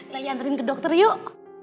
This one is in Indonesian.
lagi anterin ke dokter yuk